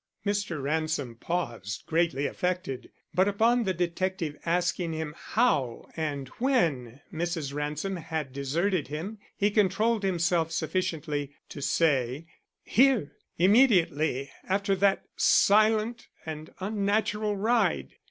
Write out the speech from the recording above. Mr. Ransom paused, greatly affected; but upon the detective asking him how and when Mrs. Ransom had deserted him, he controlled himself sufficiently to say: "Here; immediately after that silent and unnatural ride.